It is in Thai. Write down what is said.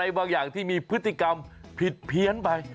บางอย่างที่มีพฤติกรรมผิดเพี้ยนไป